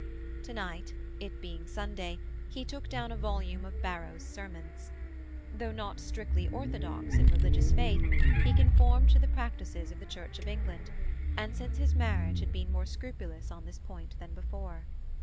To night, it being Sunday, he took down a volume of Barrow's Sermons. Though not strictly orthodox in religious faith, he conformed to the practices of the Church of England, and since his marriage had been more scrupulous on this point than before.